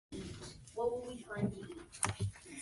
Its Grammy win provided a second round of success.